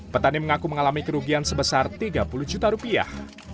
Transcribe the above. petani mengaku mengalami kerugian sebesar tiga puluh juta rupiah